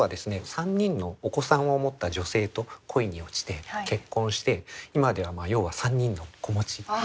３人のお子さんを持った女性と恋に落ちて結婚して今では要は３人の子持ち。